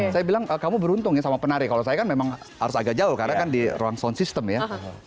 saya bilang kamu beruntung ya sama penari kalau saya kan memang harus agak jauh karena kan di ruang sound system ya